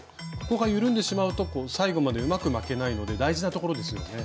ここが緩んでしまうと最後までうまく巻けないので大事なところですよね？